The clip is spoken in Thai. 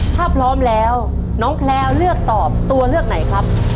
ถ้าพร้อมแล้วน้องแพลวเลือกตอบตัวเลือกไหนครับ